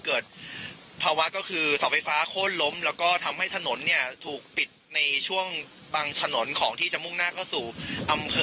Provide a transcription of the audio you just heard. เกิดภาวะก็คือสวไฟฟ้าโคตรล้ม